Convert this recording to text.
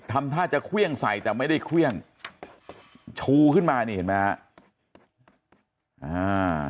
ทำท่าจะเครื่องใส่แต่ไม่ได้เครื่องชูขึ้นมานี่เห็นไหมฮะอ่า